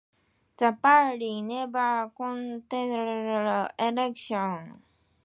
The party never contested another election.